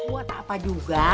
wah tak apa juga